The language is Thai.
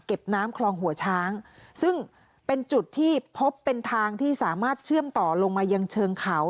น้ำคลองหัวช้างซึ่งเป็นจุดที่พบเป็นทางที่สามารถเชื่อมต่อลงมายังเชิงเขา